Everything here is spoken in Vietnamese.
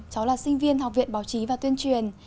cháu là sinh viên học viện báo chí và tuyên truyền